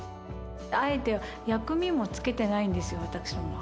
あえて薬味もつけてないんですよ、私どもは。